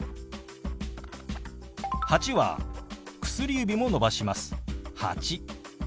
「８」は薬指も伸ばします。